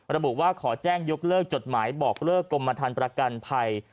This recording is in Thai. ระบุว่าขอแจ้งยกเลิกจดหมายบอกเลิกกรมฐานประกันภัย